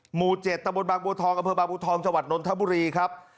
หมู่เจ็ดตะบุดบางบูทองกระเภทบางบูทองจังหวัดนทบุรีครับ